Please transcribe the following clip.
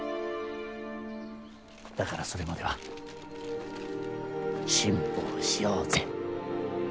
だからそれまでは辛抱しようぜ。